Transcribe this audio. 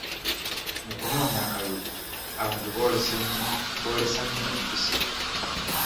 Mu kunoonya akalulu, abantu boolesa nnyo empisa.